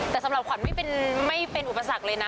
แต่สำหรับขวัญไม่เป็นอุปสรรคเลยนะ